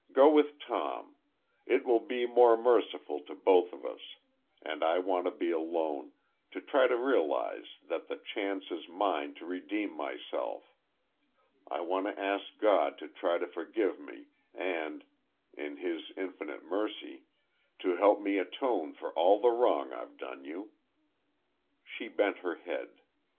"Go with Tom. It will be more merciful to both of us. And I want to be alone to try to realize that the chance is mine to redeem myself. I want to ask God to try to forgive me, and, in His infinite mercy, to help me atone for all the wrong I've done you." She bent her head.